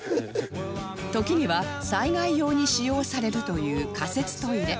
時には災害用に使用されるという仮設トイレ